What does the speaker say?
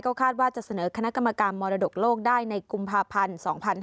คาดว่าจะเสนอคณะกรรมการมรดกโลกได้ในกุมภาพันธ์๒๕๕๙